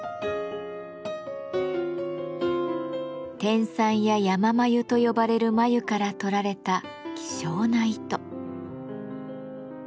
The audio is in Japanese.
天蚕や山繭と呼ばれる繭からとられた希少な糸。